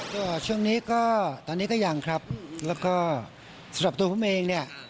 ก็ช่วงนี้ก็ตอนนี้ก็ยังครับแล้วก็สำหรับตัวผมเองเนี่ย